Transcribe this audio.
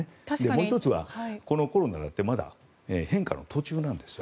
もう１つはこのコロナだってまだ変化の途中なんです。